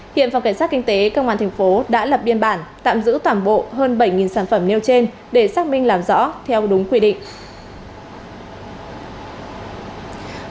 hiện phòng cảnh sát kinh tế công an thành phố đã lập biên bản tạm giữ toàn bộ hơn bảy sản phẩm nêu trên để xác minh làm rõ theo đúng quy định